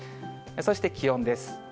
そして、気温です。